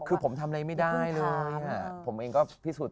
คือผมทำอะไรไม่ได้ด้วยหย่างเรื่องพิสูจน์